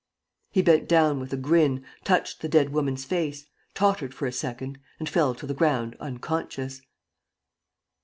He bent down with a grin, touched the dead woman's face, tottered for a second and fell to the ground unconscious.